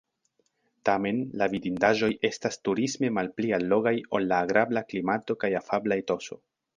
Tamen la vidindaĵoj estas turisme malpli allogaj ol la agrabla klimato kaj afabla etoso.